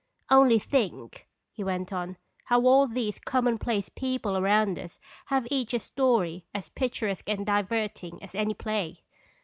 " Only think," he went on, " how all these commonplace people around us have each a story as picturesque and diverting as any play!